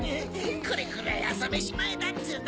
これくらい朝飯前だっつうの！